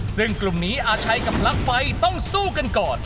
ซึ่งกลุ่มนี้อาชัยกับปลั๊กไฟต้องสู้กันก่อน